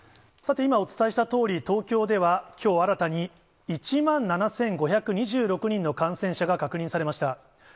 さて、今、お伝えしたとおり、東京ではきょう新たに、１万７５２６人の感染者が確認されました。